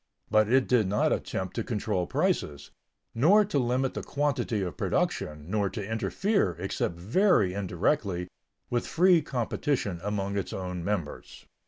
But it did not attempt to control prices, nor to limit the quantity of production, nor to interfere, except very indirectly, with free competition among its own members.